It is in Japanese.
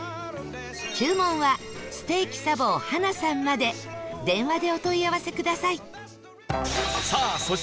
注文はステーキ茶房はなさんまで電話でお問い合わせください